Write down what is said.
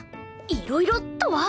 いろいろとは？